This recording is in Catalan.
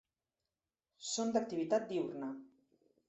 Són d'activitat diürna.